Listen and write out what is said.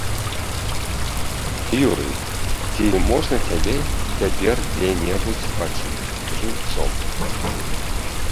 Юрый, ці можна цябе цяпер дзе-небудзь пачуць жыўцом?